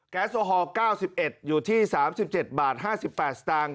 แก๊สโซฮอล์เก้าสิบเอ็ดอยู่ที่สามสิบเจ็ดบาทห้าสิบแปดสตางค์